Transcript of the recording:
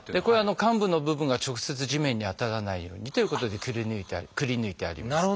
これ患部の部分が直接地面に当たらないようにということでくりぬいてあります。